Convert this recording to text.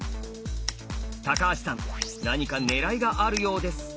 橋さん何か狙いがあるようです。